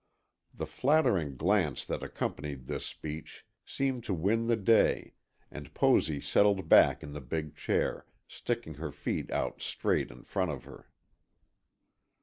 The flattering glance that accompanied this speech seemed to win the day, and Posy settled back in the big chair, sticking her feet out straight in front of her.